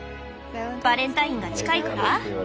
バレンタインが近いから？